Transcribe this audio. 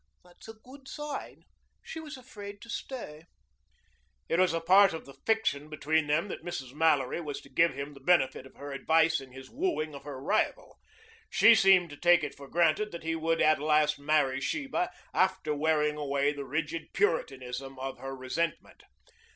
"That's a good sign. She was afraid to stay." It was a part of the fiction between them that Mrs. Mallory was to give him the benefit of her advice in his wooing of her rival. She seemed to take it for granted that he would at last marry Sheba after wearing away the rigid Puritanism of her resentment.